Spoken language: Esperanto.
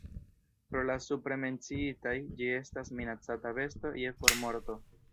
Pro la supre menciitaj, ĝi estas minacata besto je formorto.